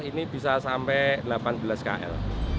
ini bisa sampai delapan belas kl